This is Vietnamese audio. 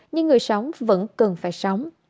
nhưng người sống vẫn cần phải sống